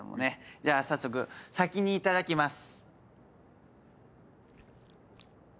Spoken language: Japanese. じゃあ早速先にいただきます。